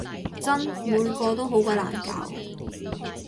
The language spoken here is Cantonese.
真！每個都好鬼難搞